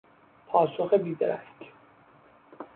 پاسخ بی درنگ